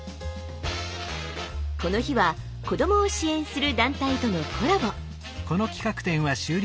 この日は子どもを支援する団体とのコラボ。